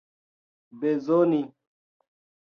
bezoni